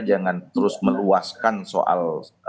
jangan terus meluaskan soal